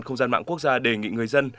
không gian mạng quốc gia đề nghị người dân